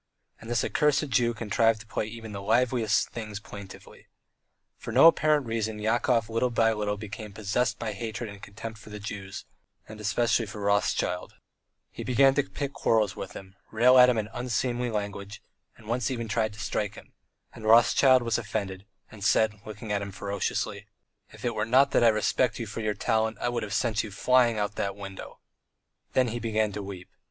And this accursed Jew contrived to play even the liveliest things plaintively. For no apparent reason Yakov little by little became possessed by hatred and contempt for the Jews, and especially for Rothschild; he began to pick quarrels with him, rail at him in unseemly language and once even tried to strike him, and Rothschild was offended and said, looking at him ferociously: "If it were not that I respect you for your talent, I would have sent you flying out of the window." Then he began to weep.